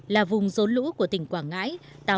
là vùng rốn lũ của tỉnh quảng ngãi